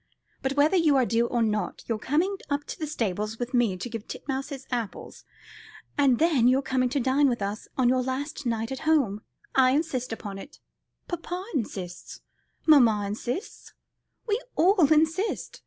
But whether you are due or not, you're coming up to the stables with me to give Titmouse his apples, and then you're coming to dine with us on your last night at home. I insist upon it; papa insists; mamma insists we all insist."